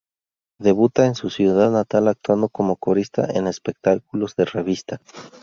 Debuta en su ciudad natal, actuando como corista en espectáculos de Revista.